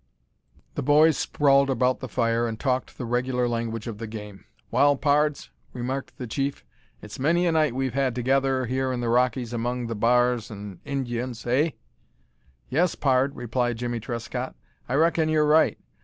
The boys sprawled about the fire and talked the regular language of the game. "Waal, pards," remarked the chief, "it's many a night we've had together here in the Rockies among the b'ars an' the Indyuns, hey?" "Yes, pard," replied Jimmie Trescott, "I reckon you're right.